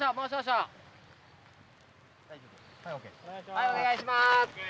はいお願いします。